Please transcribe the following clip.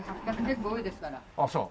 あっそう。